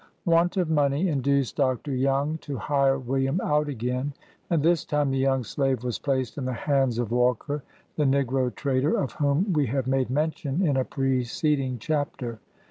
" Want of money induced Dr. Young to hire "William out again, and this time the young slave was placed in the hands of Walker, the negro trader of whom we have made mention in a preceding chapter.